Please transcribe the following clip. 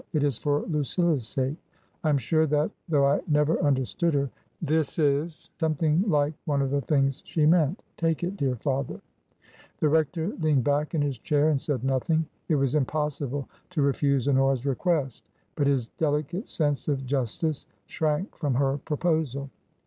It is for Lucilla's sake. I am sure that — though I never under stood her — ^this is something like one of the things she meant. Take it, dear father !" The rector leaned back in his chair and said nothing. It was impossible to refuse Honora's request, but his delicate sense of justice shrank from her proposal.